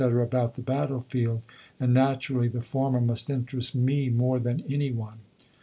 about the battlefield, and naturally the former must interest me more than any one.